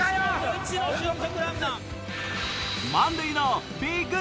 うちの俊足ランナー。